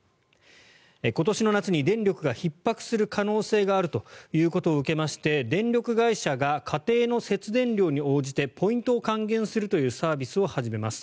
今年の夏に電力がひっ迫する可能性があるということを受けまして電力会社が家庭の節電量に応じてポイントを還元するというサービスを始めます。